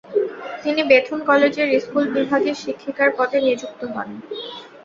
তিনি বেথুন কলেজের স্কুল বিভাগে শিক্ষীকার পদে নিযুক্ত হন।